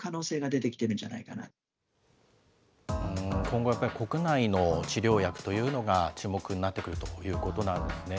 今後やっぱり、国内の治療薬というのが、注目になってくるということなんですね。